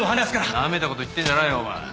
なめた事言ってんじゃないよお前。